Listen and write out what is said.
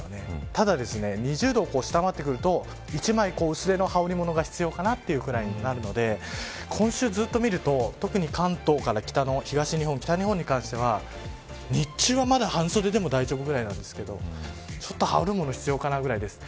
ただ、２０度を下回ってくると１枚薄手の羽織ものが必要かなというぐらいになるので今週ずっと見ると特に関東から北の東日本、北日本に関しては日中はまだ半袖でも大丈夫なぐらいなんですがちょっと羽織るものが必要かなぐらいです。